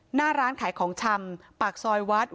หน้าร้านขายของชำปากซอยวัดเวลุวนาราม